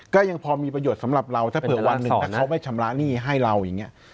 ก็ยังพอมีประโยชน์สำหรับเราถ้าเผื่อวันหนึ่งถ้าเขาไม่ชำระหนี้ให้เราอย่างนี้